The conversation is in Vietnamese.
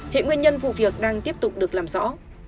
hiện nguyên nhân vụ việc đang tiếp tục được làm rõ